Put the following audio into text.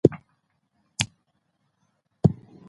د انترنيوز لخوا هم راډيو گانې جوړې او خپرونې كوي.